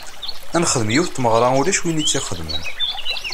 Ad nexdem yiwet n tmeɣra ulac win i tt-ixedmen.